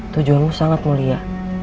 tujuanmu sangat mulia